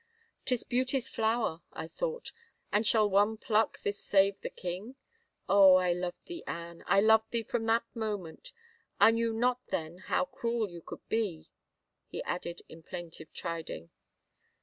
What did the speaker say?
'Tis beauty's flower, I thought, and shall one pluck this save the king? ... Oh, I loved thee, Anne, I loved thee from that moment. I knew not then how cruel you could be," he added in plaintive chiding.